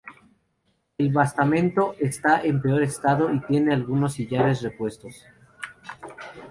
El basamento está en peor estado y tiene algunos sillares repuestos.